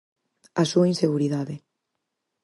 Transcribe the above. A súa inseguridade.